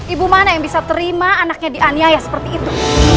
ibu mana yang bisa terima anaknya dianiaya seperti itu